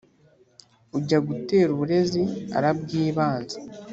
ujya gutera uburezi arabwibanza